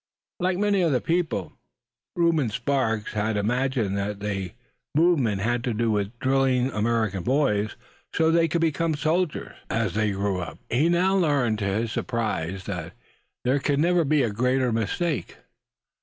Like many other people, Reuben Sparks had imagined that the movement had to do with drilling American boys, so that they could become soldiers as they grew up. He now learned, to his surprise, that there never could be a greater mistake.